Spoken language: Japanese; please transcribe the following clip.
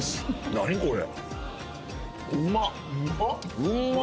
何これ。